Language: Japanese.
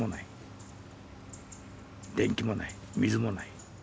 電気もない水もない。